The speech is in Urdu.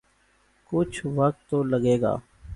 کچھ وقت تو لگے گا۔